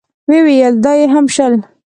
ويې ويل: دا يې هم شل.